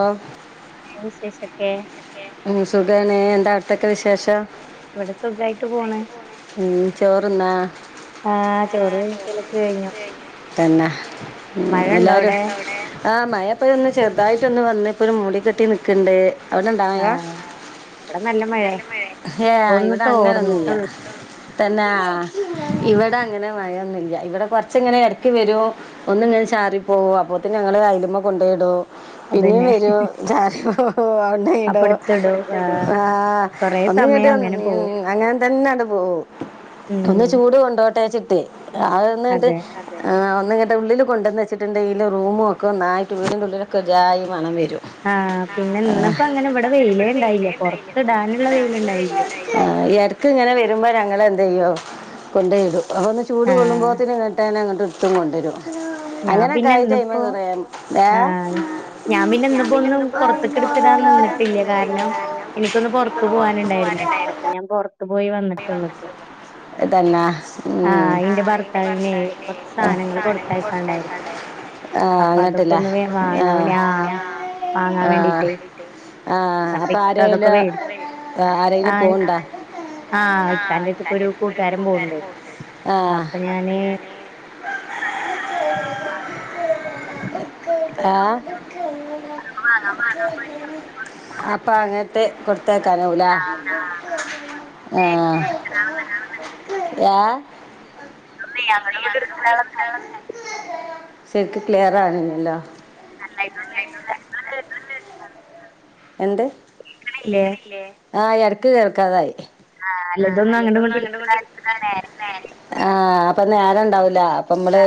Of വിശേഷക്കെ ഉ സുഖണ്എന്താ അവിടുത്തൊക്കെ വിശേഷം ഇവിടെ സുഖായിട്ട് പോണ് ഉ ചോറന്നാ ആഹ് ചോറ് വീഴിച്ചലൊക്കെ കഴിഞ്ഞു പിന്നെ മഴ ഉണ്ടോ എല്ലരും അവിടെ ആഹ് മയപ്പോ ഒന്ന് ചെറുതായിട്ടൊന്ന് വന്ന് ഇപ്പൊ ഒരു മൂടി കെട്ടി നിക്ക്ണ്ട് അവിടെണ്ടൊ മയാ ആഹ് ഇവിടെ നല്ല മഴയ ഏ ഇപ്പൊ ഒന്ന് ഇവിടെ അങ്ങനൊന്നുംല്ല തോർന്നിട്ടുള്ളൂ തന്നെ ഇവിടെ അങ്ങനെ മഴൊന്നുല്ല ഇവിടെ കൊറച്ച് ഇങ്ങനെ എടക്ക് വരു ഒന്ന് ഇങ്ങനെ ചാറി പോകോ അപ്പോത്തെ ഞങ്ങള് അയലമ്മ കൊണ്ടോയിടോ പിന്നെയും അതന്നെ വരൂ ചാര പോ അവണടോ അപ്പടുത്തിടൂ ആഹ് ആ കൊറേ ഒന്നങ്ങട്ട് സമയം അങ്ങനെ പോവും അങ്ങനെ തന്നെയടെ പോവു ഒന്ന് ഉം ചൂട് കൊണ്ടോട്ടെച്ചിട്ട് അതന്ന് അതെ ഒന്നിങ്ങട്ട ഉള്ളിൽ കൊണ്ടുവന്ന് വെച്ചിട്ടുണ്ടെങ്കിൽ റൂമും ഒക്കെ ഒന്നായിട്ട് വീടിൻ്റെള്ളിലൊക്കെ ജായി മണം വരും ആ പിന്നെ ആഹ് ഇന്നിപ്പോ അങ്ങനെ ഇവിടെ വെയില ഇണ്ടായില്ല പൊറത്തിടാനുള്ള വെയില ഇണ്ടായില്ല ആ ഇടക്ക് ഇങ്ങനെ വരുമ്പോൾ ഞങ്ങൾ എന്ത ചെയ്യോ കൊണ്ടോയിടും അപ്പൊ ഒന്ന് ചൂട് ആഹ് കള്ളുമ്പോത്തിന് ഇങ്ങട്ടേ തന്നെങ്ങട്ട് ഇടുത്തും കൊണ്ടുവരു ഞാൻ അങ്ങനെൊക്കെ പിന്നെ ഇന്നിപ്പോ ആയിട്ടൈ്മറയാ ആഹ് ഞാൻ ഇന്നിപ്പോ പിന്നെ ഒന്നും പുറത്തേക്ക് ഇന്ന്പ്പൊന്നും എടുത്തിടാൻ പൊറത്ത്ക്ക്ഇട്ത്ത്ടാൻ നിന്നിട്ടില്ല നി കാരണം എനിക്കൊന്ന് പൊറത്തു പോവാനുണ്ടായിരുന്നു അപ്പൊ ഞാൻ പൊറത്തു പോയി വന്നിട്ടുള്ളൂ ഇപ്പോ ഏ തന്നെ ഉം. ആഹ് അതിന്റെ ഭർത്താവിൻ്റെ കൊറച്ച് ആ. സാധനങ്ങള് കൊടുത്ത ണ്ട യി ആ അപ്പൊ അതൊക്കെ അങ്ങട്ടില്ല ഒന്ന് വേ വാങ്ങ വേണ്ടി ആ വാങ്ങാൻ വേണ്ടീട്ടേ ആഹ് അപ്പൊ ഇക്ക ആരേല അതൊക്കെ മേടിച്ചു ആരെങ്കിലും ആഹ് പോവ്ണ്ടോ ആഹ് ഇക്കാന്റെടുത്ത്ക്ക് ഒരു കൂട്ടുകാരൻ പോവ്ണ്ട് ആൂട്ട അപ്പൊ ഞാന് അഞ അ ഏ അതൊക്കെ വാങ്ങാൻ പോയിട്ട് അങ്ങട്ടും അപ്പൊ അങ്ങനത്തെ കൊടുത്തേക്കാനാവുലെ ഇങ്ങട്ടും ആഹ്.. ഏ.. എടുത്തിടാതെ സര്ക്ക് ക്ലിയറാവ്ണില്ലല്ലോ നല്ല [inaudible] എന്ത് ക് ണില്ലേ ല്ലേ... ആഹ് ഇടക്ക് കേൾക്കാതായി ആഹ് അല്ല ഇതൊന്നും അങ്ങണ്ടും ഇങ്ങണ്ടും ഇടുക്കാൻ നേര ആഹ്.. അപ്പ നേരണ്ടാവൂല്ല അപ്പമ്മള്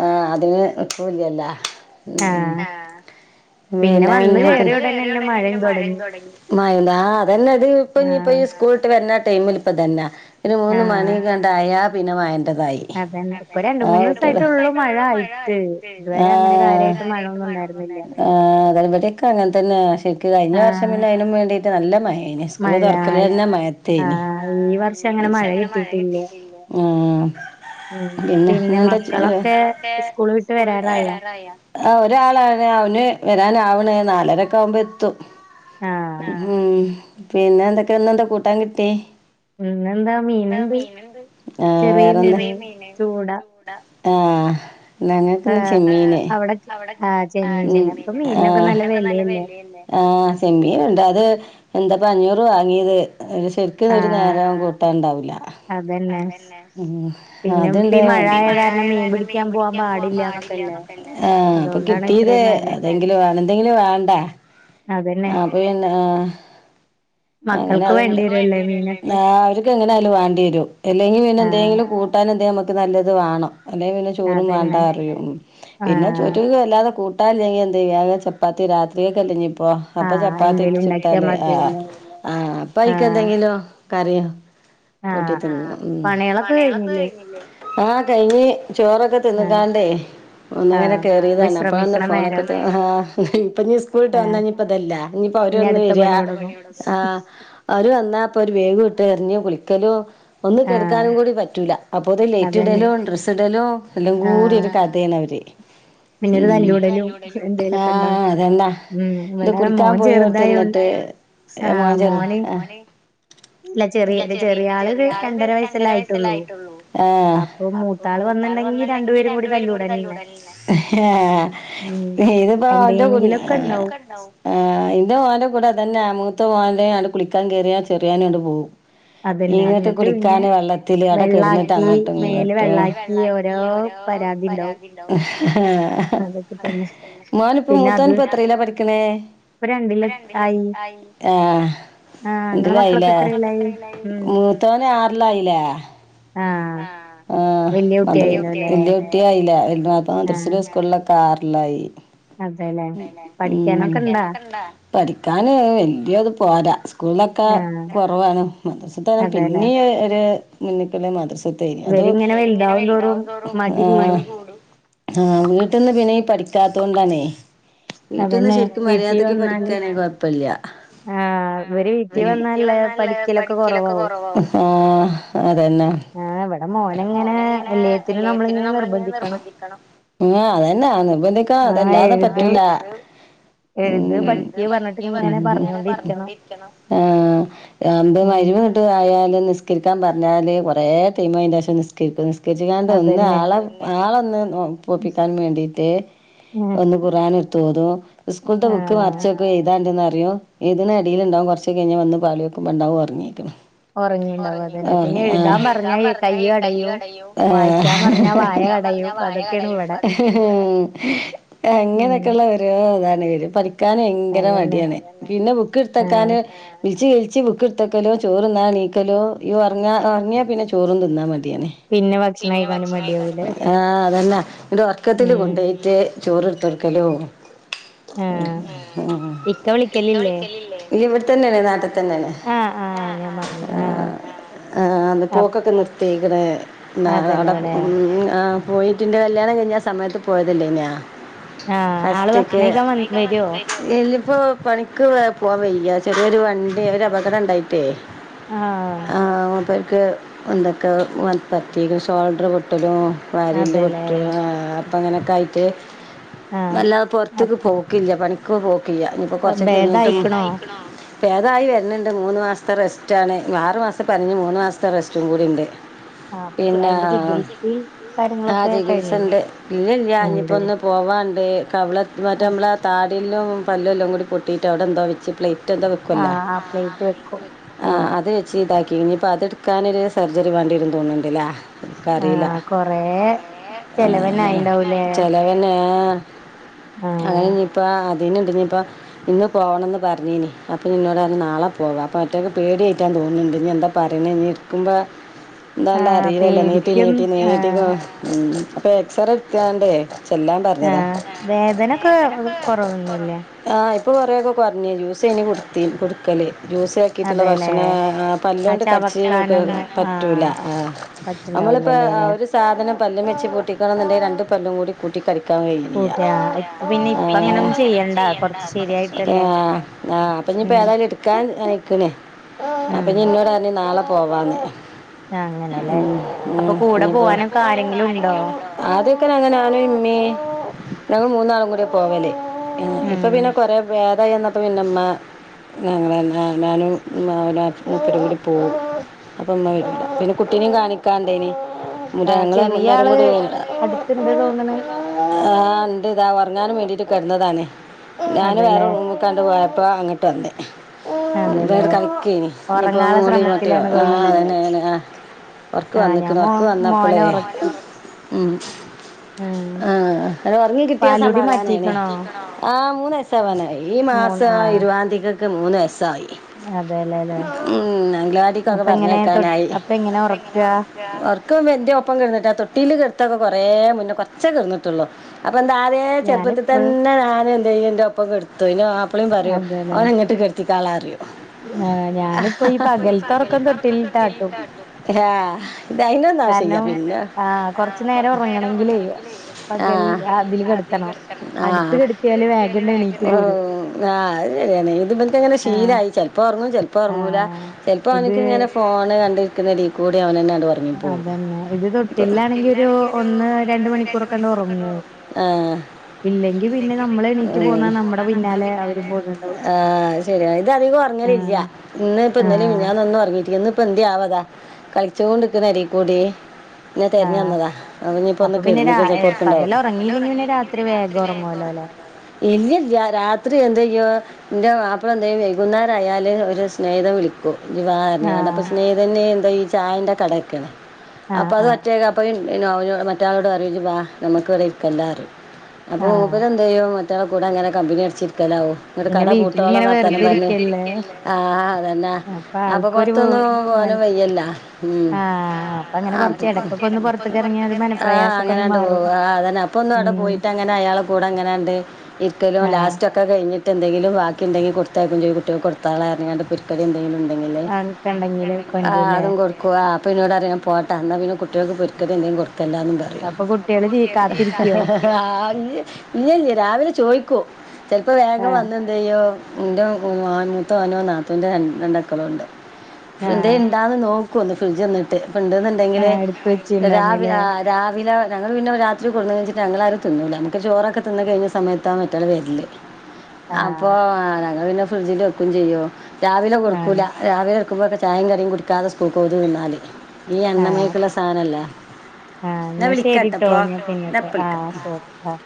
ആ അതിന് എപ്പോഴില്ലലോ ഉം ആഹ് പിന്നെ വന്ന് ഉടനെ കേറിയ തന്നെ ഉടനെന്നെ മഴയും മഴിം തുടങ്ങി തൊടങ്ങി മയണ്ട്. ആ അതന്നെ ഇത് ഇപ്പ ഇനിപ്പോ ഈ ആഹ് സ്കൂളിട്ട് വര്ന ടൈമ് ല് പ്പതന്നാ ഒരു മൂന്ന് ആഹ് മണിക്കണ്ടായാ പിന്നെ മഴന്റതായി ഇപ്പൊ അതന്നെ രണ്ട് ആഹ് മൂന്ന് കുട്ടിയാൾ പിന്നെ ദിവസായിട്ടുള്ളൂ മൂന്നീസായിട്ടുള്ളൂ മഴ ആയിട്ട്. ഇതുവരെ അങ്ങനെ ആഹ് കാര്യായിട്ട് മഴൊന്നും മഴൊന്നുംഉണ്ട ഉണ്ടായിരുന്നില്ല ആഹ് ഇതാ ഇവട്യക്കെ അങ്ങൻ തന്നെ. ശര്ക്ക് കഴിഞ്ഞ വർഷം ആഹ് പിന്നെ അയ്നുംമേണ്ടീട്ട് നല്ല മയേനി സ്കൂള് മഴ തുറക്കല് തന്നെ മഴയത്തേനി. ആ ഈ വർഷം അങ്ങനെ മഴ കിട്ടീട്ടില്ല ആഹ് പിന്നെ ഇന്നെന്താ ചെയ്യ പിന്നെ മക്കളൊക്കെ സ്കൂള് വിട്ട് സ്കൂൾട്ട് വരാറായ വരാറായാ ആ ഒരാളാണ്. അവന് വരാനാവ്ണ്. നാലരൊക്കാവുമ്പോ എത്തും ആഹ് ഉം പിന്നെ എന്തൊക്കെ ഇന്ന് എന്താ കൂട്ടാൻ കിട്ടി ഉം ന്നെന്താ ന്താ മീനുണ്ട് ആഹ് വേറെന്താ മീന് ചെറിയ മീൻ ചൂട ചൂണ്ട ആഹ് നങ്ങൾക്ക്ന്ന് ചെമ്മീന്. അവിടെ ആഹ് അവട ആഹ് ആ ചെമ്മീൻ ചെമ്മീനിന് ഇപ്പൊ ഉം മീനിനൊക്കെ ആഹ് ചെമ്മനൊക്കെ നല്ല വെലയല്ലേ ആഹ് ചെമ്മീൻണ്ട് അത് എന്താപ്പ അഞ്ഞൂറ് വാങ്ങിയത് ഒരു ശരിക്ക് ഒരു ആഹ് നേരം ആകും തുണ്ടാവുല അതന്നെ ആഹ് ആഹ് അത്ണ്ട്... ഇപ്പൊ ഈ മഴ ആയ കാരണം മീൻ പിടിക്കാൻ പോവാൻ പാടില്ല എന്നൊക്കെ അല്ലെ. ആ അപ്പോ അതുകൊണ്ടാണ് കിട്ടീത് ഇത്രയും വെല എതെങ്കിലും വേണം എന്തെങ്കിലും വേണ്ടേ അതന്നെ ആ അപ്പപിന്നെ ആഹ് അങ്ങനെ മക്കൾക്ക് അത് ഇങ്ങണ്ട് വേണ്ടി വരുവല്ലേ വരൊല്ലേ മീനൊക്കെ ആഹ് [inaudible] ഇൻക്ക് എങ്ങനെയാലും വേണ്ടി വരും അല്ലെങ്കി പിന്നെ ആഹ് എന്തെങ്കിലും കൂട്ടാൻ എന്ത നമക്ക് നത് വേണം അല്ലെങ്കി പിൻ ചോറും അതന്നെ വേണ്ടാറ്യും. പിന്നെ ആഹ് ചോറ്റ്ക്ക് വല്ലാതെ കൂ ട്ടാല്ലെങ്കി എന്തയ്യാ അഅ് ചപ്പാത്തി രാത്രികക്കെല്ലഞ്ഞിപ്പോ അപ്പ ആഹ് ചപ്പാത്തി ഇട്ത് എന്തേലും ഉണ്ടാക്കിയാ ചുട്ടാല്, ആ മതിയല്ലോ ആഹ് അപ്പയ്ക്ക് ആഹ് എന്തെങ്കിലും കറ്യും കൂട്ടി ആഹ് താർഞ്ഞ് പണിയാലൊക്കെ കഴിഞ്ഞില്ലേ ആഹ് കഴിഞ്ഞ് ചോറൊക്കെ തിന്ന് ആഹ് കാണ്ടേ ഒന്നിങ്ങനെ ആഹ് കേറിതാണ്. അപ്പ വിശ്രമിക്കണ ഫോണൊക്കെ നേരാവും ചെയ്യാ ആഹ് ഇപ്പൊഞ്ഞി സ്കൂൾ ട്ട് ആഹ് വന്ന ഞി പ്പതല്ല ഇഞ്ഞിപ്പോ ഇനി അവരൊന്ന് അടുത്ത വരാ പണി തുടങ്ങും ആഹ് അവര് വന്നാ അപ്പൊ ഒരു ബേഗ് ഇട്ട് എറിഞ്ഞ് കുളിക്കലും ഒന്നും ആഹ് കെടക്കാനും കൂടി പറ്റൂല. അപ്പോതിന് ലൈറ്റ് അതന്നെ ഇടലും, ഡ്രസ് ഇടലും, എല്ലാം കൂടി ആഹ് ഒരു കഥ ദേനവരി ഉം പിന്നൊരു തല്ലൂടലും, ആഹ് അതന്ന, ഉം ഇത് ഇവിടെ കുളിക്കാൻ മോൻ ചെറുതായോണ്ട് പോയോടുത്ത്ന്ന്ട്ട് ഏഹ് മോൻ ചെറു അഹ് മോന് ഇല്ല ചെറിയ ചെറിയ ആള് രണ്ടര വയസല്ലേ ആയിട്ടോള്ളൂ ആ അപ്പൊ ത്താൾ വന്നിണ്ടെങ്കി രണ്ടുപേരും കൂടി തല്ലൂടലന്നെ ഉം ആഹ് ഇത്പ്പൊ ന്റെ കുഞ്ഞ എന്തെങ്കിലൊക്കെ ഉണ്ടാവും ആഹ് ന്റെ മോൻ്റെ കൂടെ അതന്നെ മൂത്തെ മോൻ്റെ ആണ്ട് കുളിക്കാൻ കേറിയാ ചെറിയോനും അണ്ട് പോവും അതന്നെ ഇങ്ങട്ട് ന്നട്ട് പിന്നെ കുളിക്കാന് വെള്ളത്തില് അവിടെ കെടന്നിട്ട് വെള്ളാക്കി അങ്ങട്ടും മേല് ഇങ്ങട്ടും വെള്ളാക്കി ഓരോ പരാതി ണ്ടാവും അഹ് ഹ് ഹ് ഹ അതൊക്ക തന്നെ മോൻപ്പോ പിന്നെ മൂത്തോൻ അത് പ്പോ എത്രീലാ പഠിക്ക്ണേ ഇപ്പൊ രണ്ടിലു ആയി ആഹ് ആഹ് ഇങ്ങളെ രണ്ടിലായി മക്കളൊക്കെ ലേ എത്രയിലായി എത്രിലായി? ഉം മൂത്തോനാർലായി ലേ... ആഹ് ആഹ് അത് വല്യ കുട്ടി ടിയായില അപ്പൊ മദ്രസില് സ്കൂളൊക്കെ ആറിലായി അതെലെ തന്നെ ഉഹ് പഠിക്കണക്കണ്ടൊ? പഠിക്കാന് വല്യത് പോരാ സ്കൂൾലൊക്കെ ആഹ് കുറവാണ് മദ്രസത്തത് അതെല്ലെ പിന്നിം ഒരു മുന്ന്ക്കുള്ള മദ്രസ തേനി അത് ഇവരിങ്ങനെ വെൽതാവും തോറും ആഹ് മടി കൂടും ആഹ് വീട്ട്ന്ന് പിന്നെയി പഠിക്കാതൊണ്ടാണെയ് വീട്ട്ന്ന് അതന്നെ ശെരിക്കും വീട്ടി മര്യാദക്ക് വന്നാല് പഠിക്കാണെ കുഴപ്പല്യ ആഹ് അവര് അവര് വീട്ടി വന്നാല് പഠിക്കലൊക്കെ കൊറവാവും ആഹ് അതെന്നെ ആഹ് ഇവടെ മോനങ്ങനെ എല്ലേത്തിനും നമ്മളിങ്ങനെ നിർബന്ധിക്കണം ഉം അതന്നെ നിർബന്ധിക്കാ ആഹ് അതല്ലാതെ എഴുത് പറ്റൂല എഴുത് പഠിയ്ക്ക് പറഞ്ഞിട്ട് ഇങ്ങനെ പ ഇങ്ങനെ പറഞ്ഞൊണ്ടിരിക്കണം ആഹ് ആമ്പോ ഉം മഹ് രീബ് എന്ത ആയാലും നിസ്കരിക്കാം പറഞ്ഞാല് കൊറെ ടെം അയിന്റെശം നിസ് നിസ്കരിച്കാണ്ട് ഒന്ന് അതന്നെ ആളെ ആളൊന്ന് ന്നോ ഒപ്പിക്കാൻ വേണ്ടിട്ട് ഉം ഒന്ന് ഖുർആനെട്ത്ത് ഓതും ഇസ്കൂൾത്തെ ബുക്ക് ആഹ് മർച്ചോക്കും എയ്താണ്ട്ന്നറിയും ഏഴ്തിണ എടീലിണ്ടാവും കൊർച്ച് കഴിഞ്ഞ് വന്ന് പാളിയോക്കുമ്പണ്ടാവും ഒർങ്ങിക്ണ് ഒറങ്ങിണ്ടാവും ഒറങ്ങി അതന്നെ പിന്നെ ഒറങ്ങി ആഹ് എഴുതാൻ എഴുതാ പറഞ്ഞാ [unintelligible] കയ്യ് കടയും വായിക്കാൻ ആഹ് പറഞ്ഞാ വായ വായിക്കാൻ പറഞ്ഞ കടയും വായ അതൊക്കെയാണ് ഇവിടെ കടയും ഉം എങ്ങനക്കെള്ള ഓരോതാണ് വര് പഠിക്കാന് ഭയങ്കര അതന്നെ മടിയാണ് പിന്നെ ബുക്ക്ട്ത്തെക്കാന് ആഹ് വിള്ച്ച് വിള്ച്ച് ബുക്ക് ഇട്ത്തക്കലും ചോറ്ന്നാണീക്കലും ഈ ഉറങ്ങ ഉറങ്ങിയാ പിന്നെ ചോ ചോറും തിന്നാമടിയാണ് പിന്നെ ഭക്ഷണം കഴിക്കാനും മടിയാണ് ആഹ് അതനെ ങ്ങട്ട് ഒർ ഒർക്കത്തില് ഉം കൊണ്ടൊയിറ്റ് ചോറ്ട്തൊട്ക്കലും ആഹ് ഉം ഇക്ക വിളിക്കലില്ലേ? ഇല്യ ഇവിട്തന്നെണ് നാട്ട്തന്നെണ് ആഹ് ആഹ് ഞാൻ മറന്നു ആഹ് ആഹ് അപ് പോക്കൊക്കെ നിർത്തിക്ണ് ന്നാആട അതല്ലോ ല്ലേ ഉം ആ പോയിറ്റിൻ്റെ കല്യാണം കഴിഞ്ഞ ആ സമയത്ത് പോയതല്ലേനിയോ? ആഹ് ആള് ഭക്ഷണം കഴിക്കാൻ വന്ന് വെരോ? ഇല്യപ്പോ പണിക്ക് പോവാ പോവാൻ വെയ്യ ചെറിയൊരു വണ്ടി ഒരു അപകടം ഇണ്ടായിട്ടേ ആഹ് ആഹ് മൂപ്പര്ക്ക് എന്തെക്കെ പറ്റിക്ക്ണ് ഷോൾഡറ് പൊട്ടലും വാരിയെല്ല് അതെല്ലേ പൊട്ട ആഹ് അപ്പങ്ങനൊക്കായിട്ട് ആഹ് വെല്ലാതെ അപ് പൊറ്തിക്ക് പോക ക്കില്യ പണിക്ക് പോക്കില്യ ഇഞ്ഞ്‌പ്പോ കൊറച്ച്കഴിഞ്ഞിട്ട് ഭേദായിക്കണോ ഭേദായിക്ണോ? പേദായി വെര്ണിണ്ട് മൂന്ന് മാസ്ത്തെ റെസ്റ്റാണ് ആറു മാസം പറ്ഞ്ഞ് മൂന്ന് മാസ്ത്തെ റെസ്റ്റും കൂടിണ്ട്. ആഹ് അപ്പൊ പിന്നെ അതിന്റെ ആഹ് ചികിത്സയും ആ കാര്യങ്ങളൊക്കെ കഴിഞ്ഞോ ചികിത്സണ്ട് ഇല്ലല്ല്യ ഇഞ്ഞിപ്പോ ഉണ്ട് ഇന്ന് പൊ പോവാണ്ട് കവ്ള മറ്റേ മ്ളെ താടിയെല്ലും പല്ലെല്ലുംകൂടി പൊട്ടിട്ടെയ് അവിടെന്തോ വെച്ച്പ്ലേ മറ്റെന്തൊ വെക്കൊല്ലൊ ആ ആഹ് പ്ലേറ്റ് വെക്കും ഉം ആഹ് അത് ച്ചിതാക്കി ഇനിപ്പൊ അത്ട്ക്കാനൊരു സർജറി വാണ്ടിയെരും തോന്ന്ണ്ട് ലെ ഇക്കറീല ആഹ് കൊറേ കുറെ ചെലവെനായിണ്ടാ ചെലവന്നായിണ്ടാവൂലേ ആഹ് ചെലവെനെ ആഹ് അയ്ഞ്ഞിപ്പൊ അത് നിതിനിപ്പൊ ഇന്ന് പോണംന്ന് പറഞ്ഞീനി അപ്പ എന്നോട് പറഞ്ഞ് നാളെ പോകാ അപ്പോ ഒറ്റയ്ക്ക് പേടിയായ്റ്റ തോന്ന്ണ്ട് ഇനി എന്താ പറയഞ്ഞന്നരിക്കുമ്പോ എന്താല്ല ആഹ് അറിലല്ലോ നീട്ടി പേടിക്കും നീട്ടി നീട്ടി ആഹ് ഉം ഇപ്പൊ എക്സറെ എട്ത്ത് ആണ്ടെയ് ആഹ് വേദനൊക്കെ കൊറവെന്നില്ലേ? ആഹ് ഇപ്പൊ കൊറേക്കെ കൊറ്ഞ്ഞ്നി ജ്യൂസേനി കൊടുത്തീൻ കൊട്ക്കല് ജ്യൂസ് ക്കിയിട്ടുള്ള അതെല്ലേ ഭക്ഷണേ ആ പല്ലൊണ്ട് കട്ച്ച് ചവക്കാനൊന്നും പറ്റൂല ആഹ് നമ്മളിപ്പോ പറ്റ്ണ്ടാവില്ലല്ലോ ആഹ് ല്ലെ ഒര് സാധനം പല്ല്മെച്ച് പൊട്ടിക്കണന്നുണ്ടങ്കി രണ്ട് പല്ലും കൂടി കൂട്ടി കടിക്കാൻ കഴിയില്ല കൂട്ടി അ ആഹ് ഇപ്പ ആ പിന്നെ ഇപ്പ അങ്ങനൊന്നും ചെയ്യണ്ട കൊറച്ച് കൊർച് ശരിയായിട്ട് ശരിയായിട്ടല്ലേ ആഹ് ആഹ് ഉം അപ്പൊഞ്പ്പോതാലും ഇടുക്കാനായിക്ക്ണ് ഉം അപ്പൊഞ് ഇന്നോടറ്ഞ് നാളെ പോവാന്ന് അങ്ങനെല്ലേ ഉ ഉ അപ്പൊ കൂടെ ഇനിപ്പോ, പോവാനൊക്കെ ആരെങ്കിലും ഉണ്ടോ ആദ്യക്കെ ഞങ്ങന ഞാനു ഇമ്മീ ഞങ്ങൾ മൂന്നാളും കൂടിയാപോവല് ഉം ഇപ്പൊ പിന്നെ കൊറെ വേ തായിന്നപ്പോ പിന്നമ്മ ഞങ്ങളല്ലാ ഞാനും അവ മുത്തിര കൂടി പോവും അപ്പൊ ഉമ്മ വരൂല്ല പിന്നെ കുട്ടിനീം കാണിക്കാണ്ടേനി ആഹ് ഞങ്ങൾ ചെറിയ എല്ലാവരും ആള് കൂടി അടുത്ത്ണ്ട് തോന്ന്ണ്. ആഹ് ഇണ്ട് ഇതാ ഉറങ്ങാനു വേണ്ടിട്ട് കിടന്നതാണ്. ഞാന് വേറെ അതെല്ലേ റൂമ് ത്താണ്ട് പോയപ്പോ അങ്ങട്ട് വന്ന്. അതെല്ലേ വേറെ കളിക്കെനി. ഇഞ്ഞിപ്പൊ ഒറങ്ങാള്ള മൂളിവ ആഹ് ശ്രമത്തിലാണ് തോന്ന്ണ്ടല്ലേ അതനെ അതനെ ആ ഉർക്ക് ആഹ് ഞാൻ വന്നിക്കണ് മോ ഉറക്ക് മോനെ വന്നപ്പളേ ഒറക്കി ഉം ഉം ആഹ് അത് ഒറങ്ങി കിട്ടിയ പാലുടി സമധാനേനെ. മാറ്റിക്ക്ണോ ആഹ് മൂന്നയ്സ്. ത്തവനായി ഈ മൂന്ന് മാസം ആഹ് ഇരുവാന്തിക ത്ത് മൂന്ന് വയസായി. അതെല്ലേല്ലേ ഉം അംങ്കലാടി, ക്ക അപ്പൊ എങ്ങനെ തൊ പറഞ്ഞക്കാനായി. അപ്പൊ എങ്ങനെ ഒറക്കാ ഒർക്കവര്ന്റെ ഒപ്പം കിടന്നിട്ടാ തൊട്ടില് കിട്ത്താത്തൊക്കെ കൊറേ മുന്നേ കൊർച്ചാ കിട്ന്നിട്ടുള്ളോ അപ്പെന്താ ആതേ ചെറുപ്പത്തിൽ ഞാനിപ്പഴും തന്നെ ഞാനന്തയ്യും എന്റെ ഒപ്പം കിടത്തു ഇന്റെ മാപ്പിളീം പറയോ അതെല്ലേ ഓനങ്ങട്ട് കെടത്തിക്കാളാന്ന് പറയും ആഹ് ഞാനിപ്പോ ഈ പകൽ പകൽത്തെ ഒറക്കം തോട്ടില് ഇട്ട് ആട്ടും ആഹ് ഇതയിന്റന്നു ആവശ്ല്ല്യ കാരണം പിന്നെ ആഹ് കൊറച്ചു കുറച്ച് നേരം ഒറങ്ങണെങ്കിലേ ഉറങ്ങണങ്കില് പകൽ ആഹ് അതില് കെടത്തണം അതീകെടക്കണം അടുത്ത് ആഹ് കെടത്തിയാല് വേഗണ്ട് എണീറ്റ് പോരും ആ അത് ശരിയാണ് ഇത് ഇവൽക്കങ്ങനെ ആഹ് ശീലായി. ചെല്പ്പോ ഒറങ്ങും ചെല്പ്പോ ഒറങ്ങൂല ആഹ് ചെല്പ്പോ ഇത് ഓന്ക്ക്ങ്ങനെ ഫോണ് കണ്ടിരിക്കിണടീകൂടെ ഓനന്നാണ്ട് ഒറങ്ങിപ്പോവും പിന്നാണെങ്കി ഒരു ഒന്ന് രണ്ട് മണിക്കൂറൊക്കെണ്ട് ഒറങ്ങും. ആഹ് ഇല്ലെങ്കി പിന്നെ നമ്മള് എണീറ്റ് പോന്നാ, നമ്മടെ പിന്നാലെ അവരും പോന്നുണ്ടാവും. ആഹ് അയ്ശരിയാ. ഇത് അധികം ഉറങ്ങലില്ല്യ. ആഹ് ഇന്ന് ഇന്നലിം ആഹ് മിഞ്ഞാന്നൊന്നും ഒറങ്ങീട്ടില്ല. നന്പ്പോ ന്തേ ആവതാ. കളിച്ചോണ്ടക്കണ് എടീക്കൂടി. ന്നെ തെരഞ്ഞു ആഹ് വന്നതാ. അതിഞ്ഞിപ്പൊ അപ്പൊ പിന്നെ രാ കെട്ന്നീല്ലങ്കി ഇപ്പറ്തുണ്ടാവും. പകല് ഒറങ്ങിയില്ലെങ്കി പിന്നെ രാത്രി വേഗം ഒറങ്ങുവല്ലോ ല്ലേ ഇല്ലില്ല്യ രാത്രി എന്തയ്യു. ഇന്റെ മാപ്പള എന്തേ വൈകുന്നേരായാല് ഒരു [unintelligible] വിളിക്കു ക്കും ഇജ് വാ പറഞ്ഞാണ്ട്, അപ്പ ആഹ് സ്നേഹിതന് ന്താ ഈ ചായന്റെ കടക്കെണ്. ആഹ് അപ്പൊ അത ആഹ് [unintelligible] അപ്പോയും ഈ മറ്റേ ആളോട് പറിം ഇജ്ബാ ഞമ്മക്ക് ഇവിടെ ഇരിക്കണ്ടാന്ന് പറീം അപ്പൊ ആഹ് മൂപ്പര് ന്താ റിയും മറ്റാളെ കൂടെ ഇങ്ങനെ കമ്പനിടിച്ചിരിക്കലാവും. ഇന്നിട്ട് പിന്നെ കട പൂട്ടോളം വീട്ടിലിങ്ങനെ വർത്താനം വെറുതെ പറഞ്ഞ്. ഇരിക്കല്ലേ ആഹ് അതന്ന. അപ്പൊ പൊറത്തൊന്നും മന പോവാനും വയ്യല്ല ഉം ആഹ് അപ്പൊ അങ്ങനെ ആഹ് കൊറച്ച് എടക്കൊക്കെ ഒന്ന് പൊറത്ത്ക്ക് എറങ്ങിയ ഒരു ആഹ് മനപ്രയാസൊക്കെ ഒന്ന് അങ്ങനെയാണ്ട് പോവ. മാറും ആ അതന്നെ അപ്പൊ ഒന്നും ഔടെ ഉം പോയിട്ട്, അങ്ങനെ അയാള കൂടെ അങ്ങനെയണ്ട്. ഇരിക്കലും ആഹ് ലാസ്റ്റ് ഒക്കെ കഴിഞ്ഞിട്ട എന്തങ്കിലും ബാക്കിണ്ടെങ്കി കൊടുത്തയകക്കും ചെയ്യു, കുട്ടിൾക്ക്കൊടുത്താളാ പറഞ്ഞാണ്ട് പൊരിക്കടിന്തയിലും. [unintelligible] ഉണ്ടെങ്കില് കൊണ്ടരൂല്ലേ? [unintelligible] അപ്പം എന്നോട് പറിം ഞാ പോട്ട. എന്നൽ പിന്നെ കുട്ടികൾക്ക് പൊരിക്കരു എന്തങ്കിലും കൊടുക്കണ്ടാന്ന് പറി അപ്പൊ കുട്ടികള് ജീ കാത്തിരിക്കോ ആ ഇല്ല്യ ല്ല രാവിലെ ചോയ്ക്കു. ചെലപ്പോ വേഗം ആഹ് വന്ന് ന്തയ്യു ഇന്റെ [unintelligible] നാത്തൂന്റെ രണ്ട [unintelligible] ആഹ് എന്തെണ്ടാന്ന് നോക്കു ഫ്രിഡ്ജ് എന്നിട്ട് അപ്പണ്ട് ന്ന് ണ്ടെങ്കില് ആഹ് എടുത്ത് രാവില വെച്ചിണ്ടായിന്നില്ലേ രാവിലെ ഞങ്ങള് പിന്നെ രാത്രി കൊട്ന്ന് വെച്ചിട്ട് ഞങ്ങളാരും തിന്നൂല [unintelligible] ചോറൊക്കെ തിന്ന് കഴിഞ് സമയത്താ [unintelligible] വര്ല് അപ്പൊ ആഹ് ഞങ്ങള് പിന്നെ ഫ്രിഡ്ജില് വെക്കും ചെയ്യും രാവിലെ കൊടു ആഹ് രാവിലെ എണ്ക്കുമ്പോക്ക്‌ ചായിം കടിം കുടിക്കാത സ്കൂള്ക്കോകും ഇത് തിന്നാതെ ഈ ആഹ് എണ്ണമ്യ്ക്കുള്ള സാനല്ലേ ആഹ് ന്നാ ശെരിട്ടോ ഞാൻ എന്നെ പിന്നട്ടോ വിളിക്കാം ആഹ് ശെരി ആ